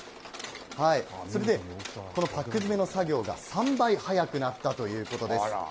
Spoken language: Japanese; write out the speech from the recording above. それで、このパック詰めの作業が、３倍早くなったということです。